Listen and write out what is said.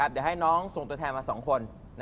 เดี๋ยวให้น้องส่งตัวแทนมา๒คน